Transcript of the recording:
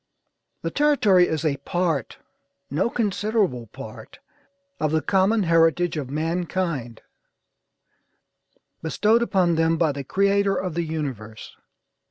The territory is a part, no considerable part, of the common heritage of mankind, bestowed upon them by the Creator of the universe.